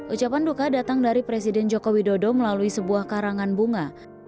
ucapan duka datang dari presiden joko widodo melalui sebuah karangan bunga